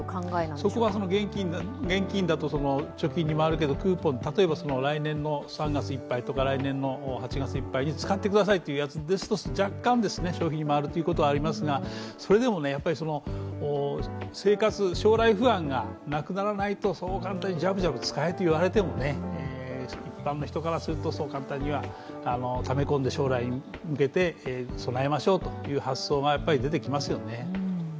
そこは現金だと、貯金に回るけど例えば来年３月いっぱいとか来年の８月いっぱいに使ってくださいっていうやつですと若干、消費に回るということはありますがそれでも生活、将来不安がなくならないと、そう簡単にジャブジャブ使えと言われても一般の人からするとそう簡単にはため込んで、将来に向けて備えましょうという発想がやっぱり出てきますよね。